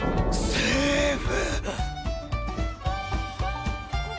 セーフ！